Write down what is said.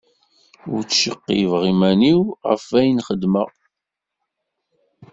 Ur ttceɣɣib iman-ik ɣef ayen xedmeɣ.